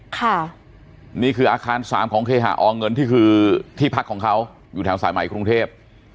ค่ะนี่คืออาคารสามของเคหาอเงินที่คือที่พักของเขาอยู่แถวสายใหม่กรุงเทพ